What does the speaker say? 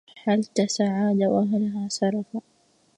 حلت سعاد وأهلها سرفا